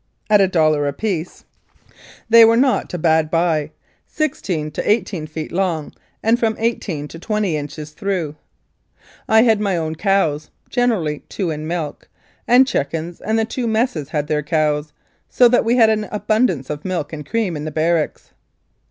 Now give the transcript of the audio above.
At a dollar apiece 59 Mounted Police Life in Canada they were not a bad buy sixteen to eighteen feet long and from eighteen to twenty inches through. I had my own cows (generally two in milk) and chickens, and the two messes had their cows, so that we had an abundance of milk and cream in the barracks.